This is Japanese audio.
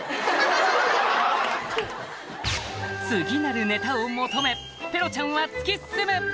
次なるネタを求めペロちゃんは突き進む！